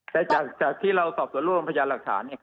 แต่จากที่เราสอบส่วนร่วมพยานหลักฐาน